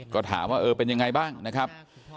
ก็ถามว่าเออเป็นยังไงบ้างนะครับ